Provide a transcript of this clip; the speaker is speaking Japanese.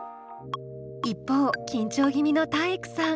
一方緊張気味の体育さん。